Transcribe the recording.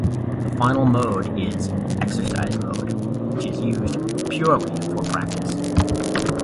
The final mode is "Exercise Mode", which is used purely for practice.